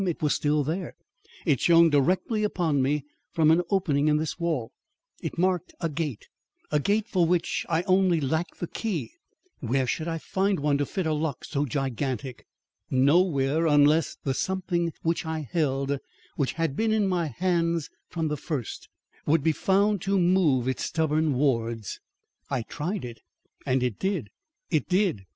It was still there. It shone directly upon me from an opening in this wall. It marked a gate, a gate for which I only lacked the key. Where should I find one to fit a lock so gigantic! Nowhere! unless the something which I held which had been in my hands from the first would be found to move its stubborn wards. I tried it and it did! it did!